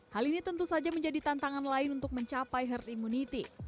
hal ini tentu saja menjadi tantangan lain untuk mencapai herd immunity